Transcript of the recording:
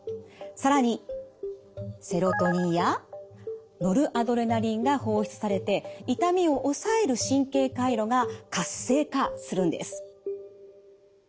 更にセロトニンやノルアドレナリンが放出されて痛みを抑える神経回路が活性化するんです。